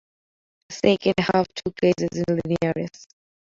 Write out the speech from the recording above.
The second half took place in Linares.